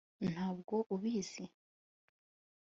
ntabwo ubizi